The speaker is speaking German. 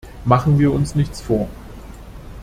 Machen wir uns nichts vor!